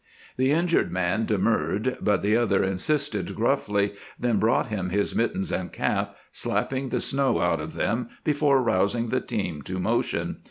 The injured man demurred, but the other insisted gruffly, then brought him his mittens and cap, slapping the snow out of them before rousing the team to motion.